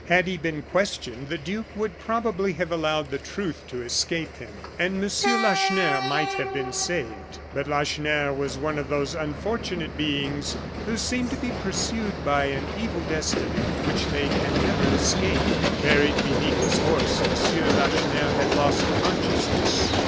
Had he been questioned, the duke would probably have allowed the truth to escape him, and M. Lacheneur might have been saved. But Lacheneur was one of those unfortunate beings who seem to be pursued by an evil destiny which they can never escape. Buried beneath his horse, M. Lacheneur had lost consciousness.